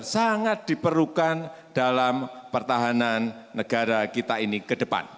sangat diperlukan dalam pertahanan negara kita ini ke depan